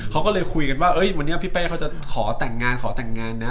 เขาก็เลยคุยกันว่าวันนี้พี่เป้เขาจะขอแต่งงานขอแต่งงานนะ